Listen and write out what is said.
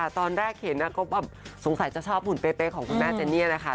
ตอนแรกเห็นก็สงสัยจะชอบหุ่นเป๊ะของคุณแม่เจนี่นะคะ